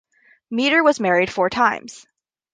Meader was married four times.